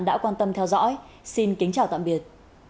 đã quan tâm theo dõi xin kính chào tạm biệt